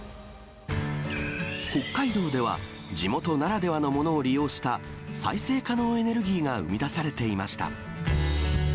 北海道では、地元ならではのものを利用した、再生可能エネルギーが生み出されていました。